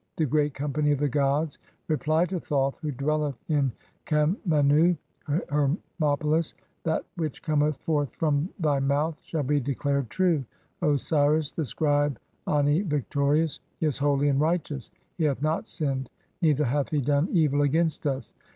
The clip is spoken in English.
The great company of the gods reply to Thoth who dwelleth in Khemennu (Hermopolis) :— "That which cometh forth from "thy mouth shall be declared true. Osiris, the scribe Ani victorious, "is holy and righteous. He hath not sinned, neither hath he done "evil against us.